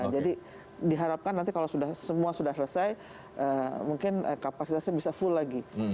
jadi diharapkan nanti kalau semua sudah selesai mungkin kapasitasnya bisa full lagi